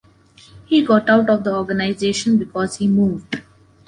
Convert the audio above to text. He got out of the organization because he moved.